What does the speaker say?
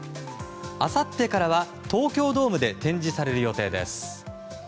あさってからは東京ドームで展示される予定です。